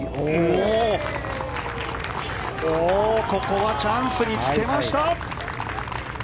ここはチャンスにつけました。